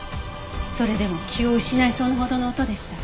それでも気を失いそうなほどの音でした。